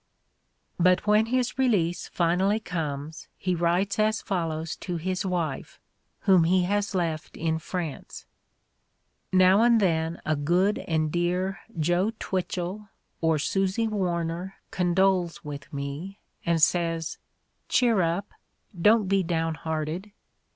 But when his release finally comes he writes as follows to his wife, whom he has left in France: "Now and then a good and dear Joe Twitchell or Susy Warner condoles with me and says, 'Cheer up — don't be downhearted'